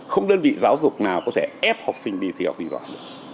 không đơn vị giáo dục nào có thể ép học sinh đi thi học sinh giỏi nữa